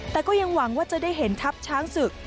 แต่ก็ยังหวังว่าจะได้เห็นทัพช้างศึก